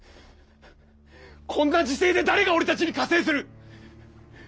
こんな時勢で誰が俺たちに加勢する？